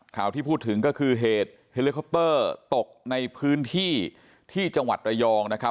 ข่าวที่พูดถึงก็คือเหตุเฮลิคอปเตอร์ตกในพื้นที่ที่จังหวัดระยองนะครับ